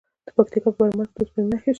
د پکتیکا په برمل کې د اوسپنې نښې شته.